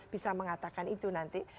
bisa mengatakan itu nanti